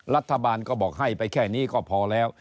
รัฐบาลก็บอกให้ไปแค่นี้ก็พอแล้ว